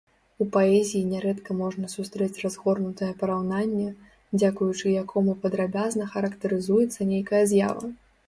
У паэзіі нярэдка можна сустрэць разгорнутае параўнанне, дзякуючы якому падрабязна характарызуецца нейкая з'ява.